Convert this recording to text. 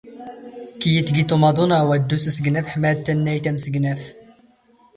ⴽⵢⵢⵉ ⵜⴳⵉⵜ ⵓⵎⴰⴹⵓⵏ ⴰⵡⴰ ⴷⴷⵓ ⵙ ⵓⵙⴳⵏⴰⴼ ⵃⵎⴰ ⴰⴷ ⵜⴰⵏⵏⴰⵢⵜ ⴰⵎⵙⴳⵏⴰⴼ